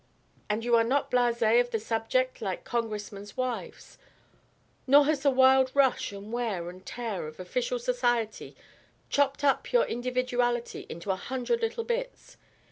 And you are not blas? of the subject like Congressmen's wives, nor has the wild rush and wear and tear of official society chopped up your individuality into a hundred little bits.